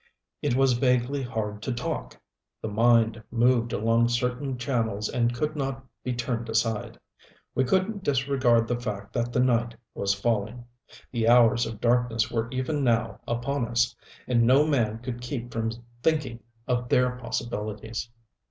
It was vaguely hard to talk the mind moved along certain channels and could not be turned aside. We couldn't disregard the fact that the night was falling. The hours of darkness were even now upon us. And no man could keep from thinking of their possibilities.